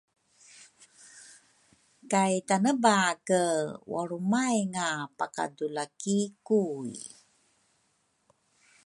kay Tanebake walrumaynga pakadula ki Kui.